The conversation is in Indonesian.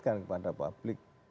kan kepada publik